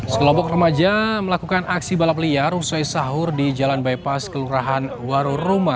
sekelompok remaja melakukan aksi balap liar usai sahur di jalan bypass kelurahan waroma